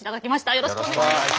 よろしくお願いします。